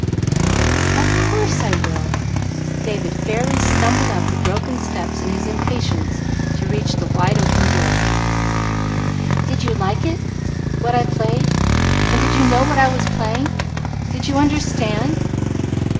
"Of course I will!" David fairly stumbled up the broken steps in his impatience to reach the wide open door. "Did you like it what I played? And did you know what I was playing? Did you understand?